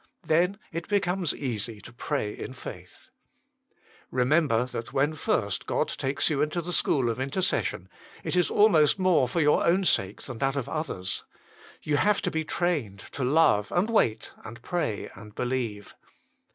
Then it becomes easy to pray in faith. Remember that when first God takes you into the school of intercession it is almost more for your own sake than that of others. You have to bo trained to love, and wait, and pray, and believe.